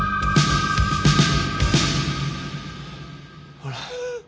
ほら。